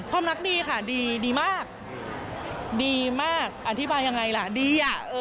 ความรักดีค่ะดีมากดีมากอธิบายยังไงล่ะดีอ่ะ